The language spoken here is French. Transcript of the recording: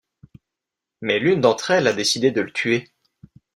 Mais l'une d'entre elles a décidé de le tuer...